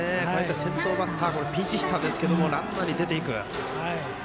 先頭バッターピンチヒッターですがランナーに出る。